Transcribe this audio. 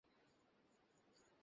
পরে দেখা যাবে সত্য হয় কিনা।